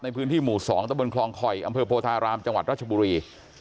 ในพื้นที่หมู่๒ตะบนคลองคอยอำเภอโพธารามจังหวัดราชบุรี